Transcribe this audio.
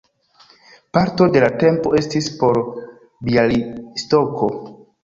Parto de la tempo estis por Bjalistoko.